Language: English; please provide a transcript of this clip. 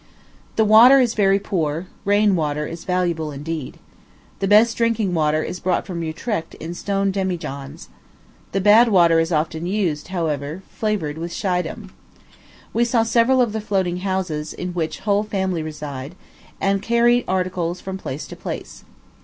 The water is very poor; rain water is valuable indeed. The best drinking water is brought from Utrecht in stone demijohns. The bad water is often used, however, flavored with Schiedam. We saw several of the floating houses, in which whole families reside, and carry articles from place to place.